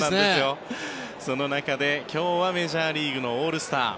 その中で今日はメジャーリーグのオールスター。